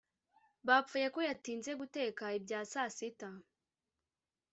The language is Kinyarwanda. Bapfuye ko yatinze guteka ibya saasita